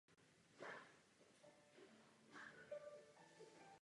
Do vedení firmy se postupně zapojili synové Gabriel a Alois Wiesner mladší.